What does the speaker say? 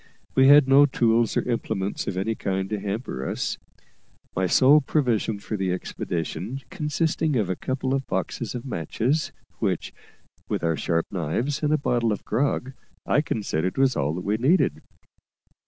We had no tools or implements of any kind to hamper us, my sole provision for the expedition consisting of a couple of boxes of matches, which, with our sharp knives and a bottle of grog, I considered was all that we needed.